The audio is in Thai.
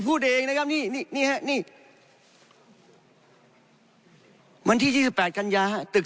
พูดเองนะครับนี่นี่นี่นี่นี่บันที่ที่สิบแปดกันยาตึก